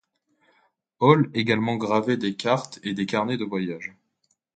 Hole également gravé des cartes et des carnets de voyage.